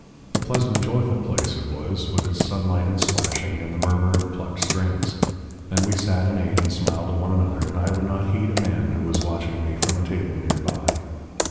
A pleasant and joyful place it was, with its sunlight and splashing, and the murmur of plucked strings. And we sat and ate and smiled at one another, and I would not heed a man who was watching me from a table near by.